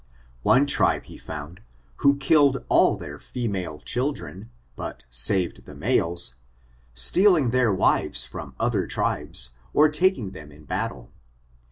One tribe he found, who killed all their female children, but saved the males, stealing their wives from other tribes, or taking them in battle.